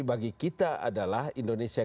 bagi kita adalah indonesia